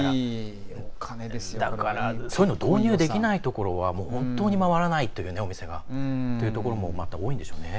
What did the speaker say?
だから、そういうのを導入できないところはお店が回らないというところまた、多いんでしょうね。